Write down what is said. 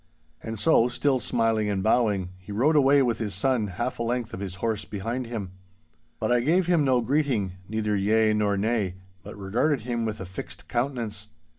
And so, still smiling and bowing, he rode away with his son half a length of his horse behind him. But I gave him no greeting, neither yea nor nay—but regarded him with a fixed countenance.